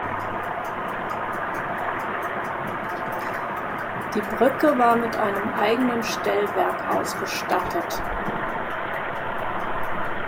Die Brücke war mit einem eigenen Stellwerk ausgestattet.